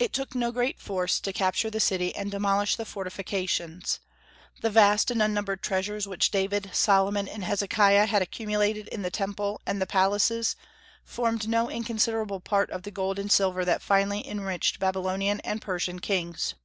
It took no great force to capture the city and demolish the fortifications. The vast and unnumbered treasures which David, Solomon, and Hezekiah had accumulated in the Temple and the palaces formed no inconsiderable part of the gold and silver that finally enriched Babylonian and Persian kings.